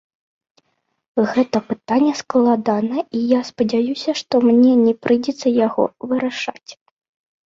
Гэта пытанне складанае, і я спадзяюся, што мне не прыйдзецца яго вырашаць.